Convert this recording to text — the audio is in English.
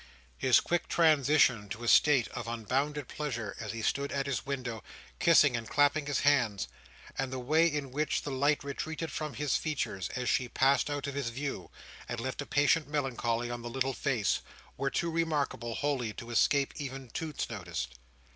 His quick transition to a state of unbounded pleasure, as he stood at his window, kissing and clapping his hands: and the way in which the light retreated from his features as she passed out of his view, and left a patient melancholy on the little face: were too remarkable wholly to escape even Toots's notice.